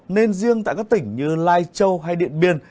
nên riêng tại các tỉnh như lai châu hay điện biên